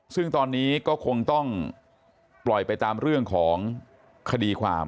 ซึ่งตอนนี้ก็คงต้องปล่อยไปตามเรื่องของคดีความ